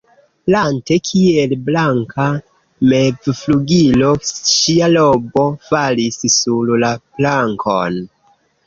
Lante, kiel blanka mevflugilo, ŝia robo falis sur la plankon.